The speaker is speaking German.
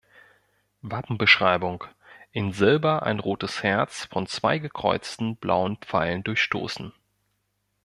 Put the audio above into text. Wappenbeschreibung: In Silber ein rotes Herz von zwei gekreuzten blauen Pfeilen durchstoßen.